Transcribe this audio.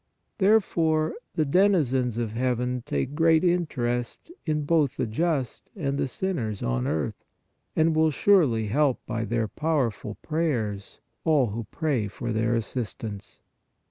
Therefore the denizens of heaven take great interest in both PRAYER MADE MORE EFFECTIVE 61 the just and the sinners on earth, and will surely help by their powerful prayers all who pray for their assistance.